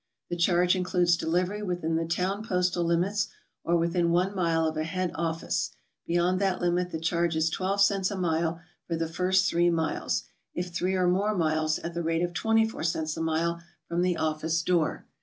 The charge includes delivery within the town postal limits, or within oue mile of a head office; be yond that limit the charge is 12 cents a mile for the first three miles; if three or more miles, at the rate of 24 cents a mile from the office door.